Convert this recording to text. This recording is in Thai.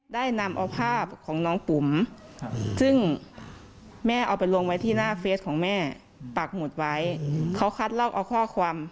ได้นำเอาภาพของน้องปุ๋มซึ่งแม่เอาไปลงไว้ที่หน้าเฟสของแม่ปากหมุดไว้เขาคัดลอกเอาข้อความ